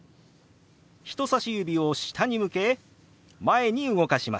人さし指を下に向け前に動かします。